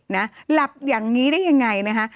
หลับอย่างนี้ได้ยังไงนะคะ